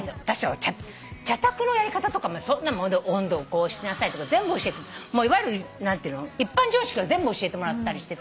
茶たくのやり方とかも温度をこうしなさいとかいわゆる一般常識は全部教えてもらったりしてたの。